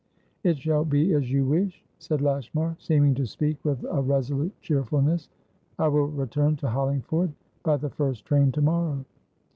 "It shall be as you wish," said Lashmar, seeming to speak with a resolute cheerfulness. "I will return to Hollingford by the first train to morrow."